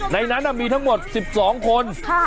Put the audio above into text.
ในนั้นมีทั้งหมด๑๒คน